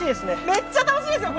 めっちゃ楽しいですよ。